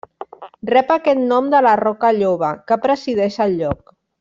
Rep aquest nom de la Roca Lloba, que presideix el lloc.